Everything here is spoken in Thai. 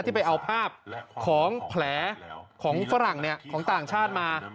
ไปเอาภาพของแผลของฝรั่งของต่างชาติมา